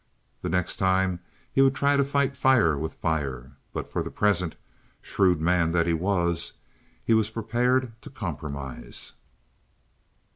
The next time he would try to fight fire with fire. But for the present, shrewd man that he was, he was prepared to compromise.